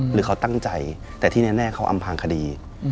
หรือเขาตั้งใจแต่ที่แน่เขาอำพางคดี